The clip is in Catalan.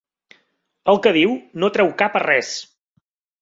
El que diu no treu cap a res.